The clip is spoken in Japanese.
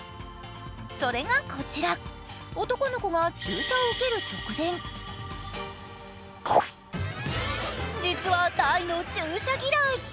それがこちら、男の子が注射を受ける直前実は大の注射嫌い。